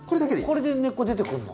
これで根っこ出てくるの？